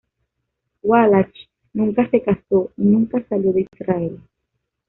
Wallach nunca se casó y nunca salió de Israel.